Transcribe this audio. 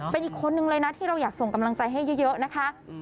เป็นอีกคนนึงเลยนะที่เราอยากส่งกำลังใจให้เยอะนะคะ